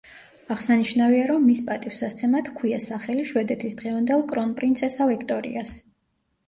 აღსანიშნავია, რომ მის პატივსაცემად ჰქვია სახელი შვედეთის დღევანდელ კრონპრინცესა ვიქტორიას.